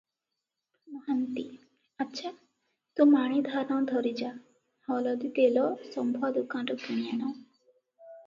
ମହାନ୍ତି-ଆଚ୍ଛା, ତୁ ମାଣେ ଧାନ ଧରି ଯା, ହଳଦୀ ତେଲ ଶମ୍ଭୁଆ ଦୋକାନରୁ କିଣି ଆଣ ।